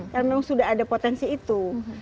karena tidak ada potensi itu